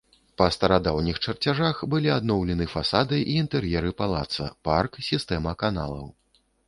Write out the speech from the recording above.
Па старадаўніх чарцяжах былі адноўлены фасады і інтэр'еры палаца, парк, сістэма каналаў.